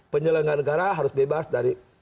penyelenggara negara harus bebas dari